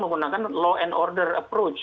menggunakan law and order approach